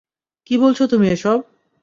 কী বলছ তুমি এসব?